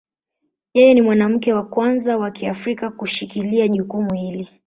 Yeye ni mwanamke wa kwanza wa Kiafrika kushikilia jukumu hili.